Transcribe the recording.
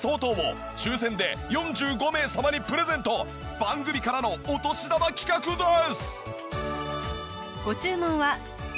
番組からのお年玉企画です！